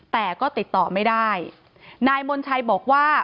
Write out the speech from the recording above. แต่ก็ติดต่อไม่ได้นายมนชัยบอกว่า